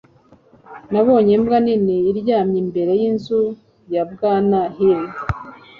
Nabonye imbwa nini aryamye imbere yinzu ya Bwana Hill.